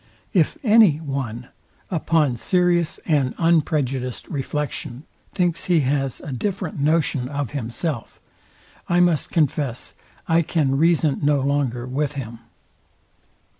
If any one, upon serious and unprejudiced reflection thinks he has a different notion of himself, I must confess I call reason no longer with him.